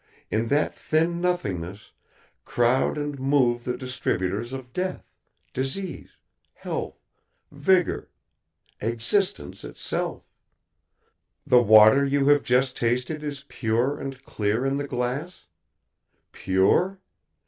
In that thin nothingness, crowd and move the distributors of death, disease, health, vigor existence itself. The water you have just tasted is pure and clear in the glass? Pure?